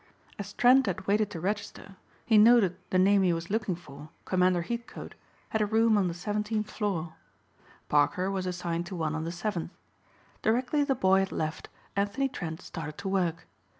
As Trent had waited to register he noted the name he was looking for, Commander Heathcote, had a room on the 17th floor. Parker was assigned to one on the seventh. Directly the boy had left Anthony Trent started to work.